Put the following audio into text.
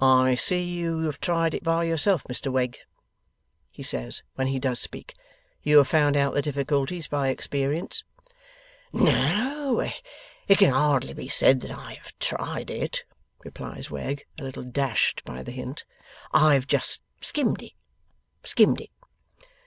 'I see you have tried it by yourself, Mr Wegg,' he says when he does speak. 'You have found out the difficulties by experience.' 'No, it can hardly be said that I have tried it,' replies Wegg, a little dashed by the hint. 'I have just skimmed it. Skimmed it.